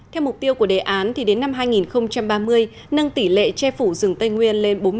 theo mục tiêu của đề án thì đến năm hai nghìn ba mươi nâng tỷ lệ che phủ rừng tây nguyên lên bốn mươi chín hai